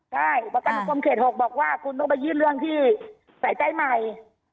ใช่ประกันสังคมเขต๖บอกว่าคุณต้องไปยื่นเรื่องที่สายใต้ใหม่